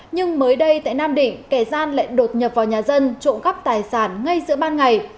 nhưng mới đây tại nam định kẻ gian lại đột nhập vào nhà dân trộm cắp tài sản ngay giữa ban ngày